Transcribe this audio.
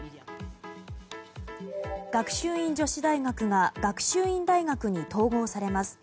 学習院女子大学が学習院大学に統合されます。